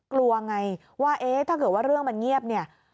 กลัวไงว่าเอ๊ะถ้าเกิดว่าเรื่องมันเงียบเนี่ย